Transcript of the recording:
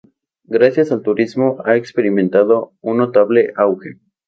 Gracias al turismo ha experimentado un notable auge.